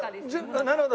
なるほど。